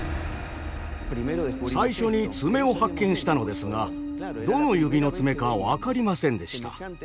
最初に爪を発見したのですがどの指の爪か分かりませんでした。